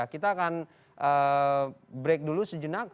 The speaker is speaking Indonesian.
kita akan break dulu sejenak